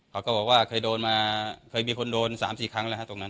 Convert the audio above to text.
เขาก็บอกว่าเคยโดนมาเคยมีคนโดน๓๔ครั้งแล้วฮะตรงนั้น